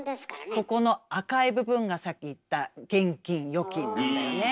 ここの赤い部分がさっき言った現金・預金なんだよね。